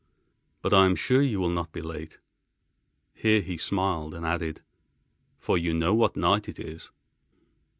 But I am sure you will not be late." Here he smiled, and added, "for you know what night it is."